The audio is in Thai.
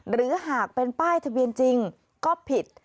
หรือหากเป็นป้ายทะเบียนจริงก็ผิด